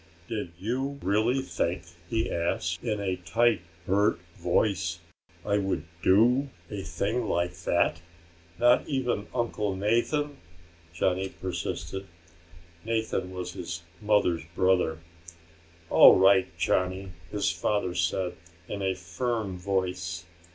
"Did you really think," he asked in a tight, hurt voice, "I would do a thing like that?" "Not even Uncle Nathan?" Johnny persisted. Nathan was his mother's brother. "All right, Johnny," his father said in a firm voice.